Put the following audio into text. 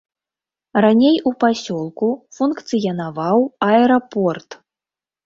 Раней у пасёлку функцыянаваў аэрапорт.